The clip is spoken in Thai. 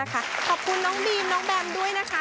ขอบคุณน้องบีมน้องแบมด้วยนะคะ